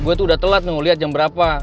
gue tuh udah telat lo liat jam berapa